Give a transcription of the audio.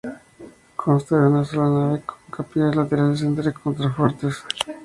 Consta de una sola nave con capillas laterales entre contrafuertes.